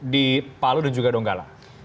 di palu dan donggala